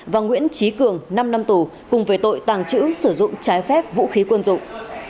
và nguyễn trí cường năm năm tù cùng về tội tàng trữ sử dụng trái phép vũ khí quân dụng